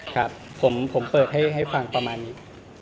ครับผมเปิดให้ฟังประมาณนี้